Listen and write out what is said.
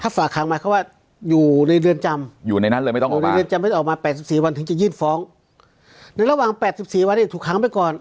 ถ้าฝากหังมาเขาว่าอยู่ในเรือนจำอยู่ในนั้นเลยไม่ต้องออกมาไม่ต้องออกมาแปดสิบสี่วันถึงจะยื่นฟ้องในระหว่างแปดสิบสี่วันเนี้ยถูกหังไปก่อน